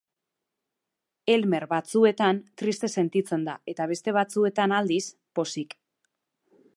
Elmer, batzuetan, triste sentitzen da eta, beste batzuetan aldiz, pozik.